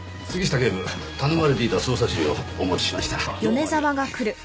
杉下警部頼まれていた捜査資料をお持ちしました。